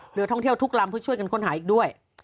ท่องเที่ยวทุกลำเพื่อช่วยกันค้นหาอีกด้วย